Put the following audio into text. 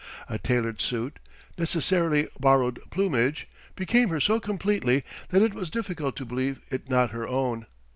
A tailored suit, necessarily borrowed plumage, became her so completely that it was difficult to believe it not her own.